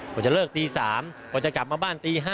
ก็จะเลิกตี๓ก็จะกลับมาบ้านตี๕